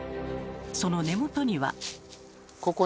その根元には。